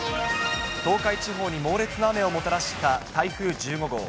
東海地方に猛烈な雨をもたらした台風１５号。